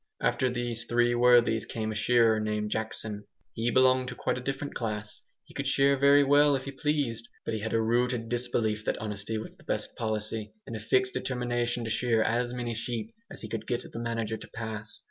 After these three worthies came a shearer named Jackson; he belonged to quite a different class; he could shear very well if he pleased, but had a rooted disbelief that honesty was the best policy, and a fixed determination to shear as many sheep as he could get the manager to pass.